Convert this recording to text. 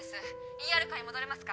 ＥＲカーに戻れますか？